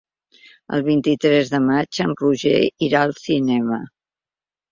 El vint-i-tres de maig en Roger irà al cinema.